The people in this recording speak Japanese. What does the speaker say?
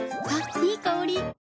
いい香り。